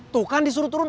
tuh kan disuruh turun